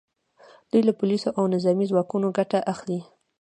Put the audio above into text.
دوی له پولیسو او نظامي ځواکونو ګټه اخلي